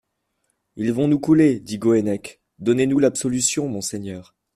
Ils vont nous couler, dit Goennec ; donnez-nous l'absolution, monseigneur.